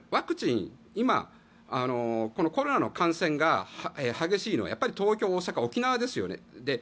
今このコロナの感染が激しいのはやっぱり東京、大阪、沖縄ですよね。